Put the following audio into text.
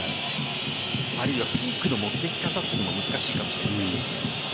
あるいはピークの持って行き方も難しいかもしれません。